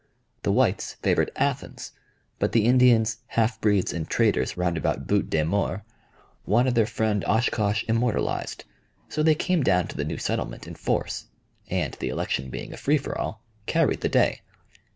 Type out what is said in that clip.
The whites favored Athens, but the Indians, half breeds, and traders round about Butte des Morts, wanted their friend Oshkosh immortalized, so they came down to the new settlement in force, and the election being a free for all, carried the day.